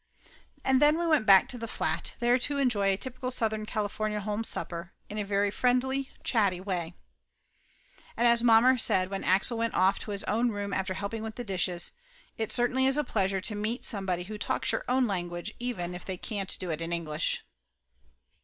And then we went back to the flat, there to enjoy a typical Southern California home supper, in a very friendly, chatty way. And as mom 130 Laughter Limited mer said when Axel went off to his own room after helping with the dishes, it certainly is a pleasure to meet somebody who talks your own language even if they can't do it in English.